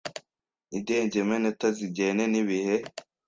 Indengemenote zijyene n’ibihe